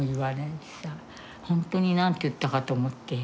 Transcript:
本当に何て言ったかと思って。